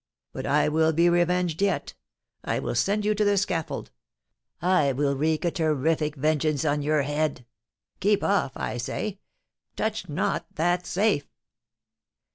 But I will be revenged yet—I will send you to the scaffold—I will wreak a terrific vengeance on your head. Keep off, I say—touch not that safe!